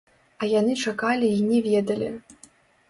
А яны чакалі й не ведалі.